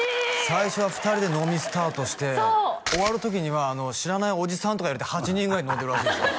最初は２人で飲みスタートして終わる時には知らないおじさんとか入れて８人ぐらいで飲んでるらしいですよ